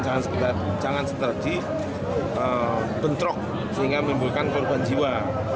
jangan seterji bentrok sehingga memimbulkan korban jiwa